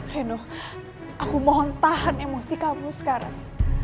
reno aku mohon tahan emosi kamu sekarang